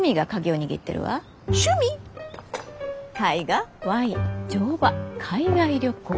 絵画ワイン乗馬海外旅行盆栽。